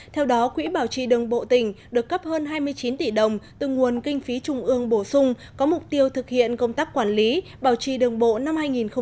theo đó quỹ bảo trì đường bộ tỉnh được cấp hơn hai mươi chín tỷ đồng từ nguồn kinh phí trung ương bổ sung có mục tiêu thực hiện công tác quản lý bảo trì đường bộ năm hai nghìn hai mươi